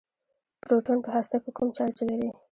پروټون په هسته کې کوم چارچ لري.